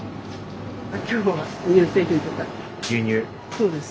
そうです。